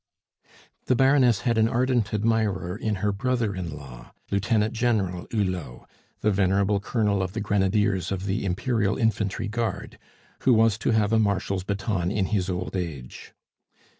The Baroness had an ardent admirer in her brother in law, Lieutenant General Hulot, the venerable Colonel of the Grenadiers of the Imperial Infantry Guard, who was to have a Marshal's baton in his old age.